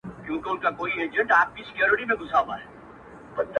• زه خو یارانو نامعلوم آدرس ته ودرېدم ـ